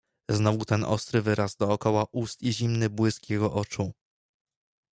"Znowu ten ostry wyraz dokoła ust i zimny błysk jego oczu."